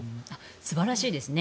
素晴らしいですね。